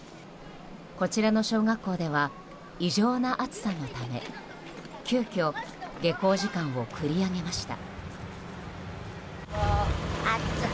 こちらの小学校では異常な暑さのため急きょ、下校時間を繰り上げました。